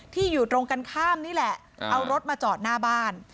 อยู่ตรงกันข้ามนี่แหละเอารถมาจอดหน้าบ้าน